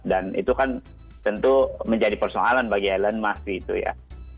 dan itu kan tentu menjadi persoalan bagi elon musk gitu ya